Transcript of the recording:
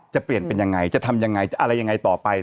จะเปลี่ยนเป็นอย่างไรจะทำอย่างไรอะไรอย่างไรต่อไป